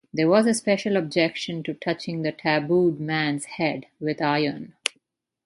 There was a special objection to touching the tabooed man's head with iron.